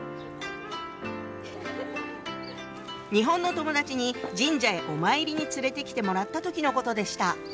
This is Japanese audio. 日本の友達に神社へお参りに連れてきてもらった時のことでした。